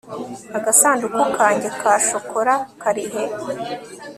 agasanduku kanjye ka shokora karihe